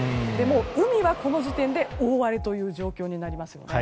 海はこの時点で大荒れという状況になります。